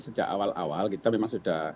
sejak awal awal kita memang sudah